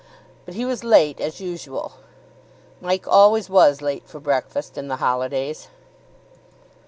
But he was late, as usual. Mike always was late for breakfast in the holidays.